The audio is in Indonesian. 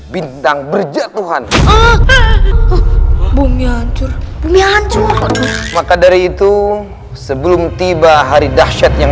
bintang berjatuhan bumi hancur bumi hancur maka dari itu sebelum tiba hari dahsyat yang